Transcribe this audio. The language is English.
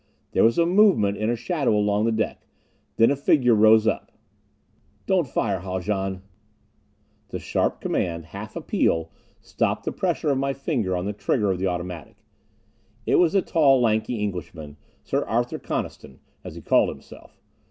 There was a movement in a shadow along the deck. Then a figure rose up. "Don't fire, Haljan!" The sharp command, half appeal, stopped the pressure of my finger on the trigger of the automatic. It was the tall lanky Englishman, Sir Arthur Coniston, as he called himself.